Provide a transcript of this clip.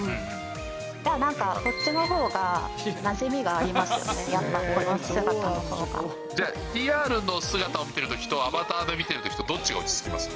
なんかこっちのほうがなじみがありますよね、やっぱり、じゃあ、リアルの姿を見てるときと、アバターで見てるときとどっちが落ち着きますか。